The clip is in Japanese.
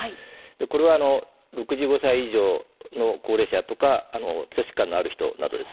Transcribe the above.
これは６５歳以上の高齢者とか基礎疾患のある人などです。